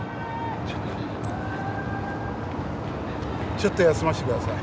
ちょっと休ませてください。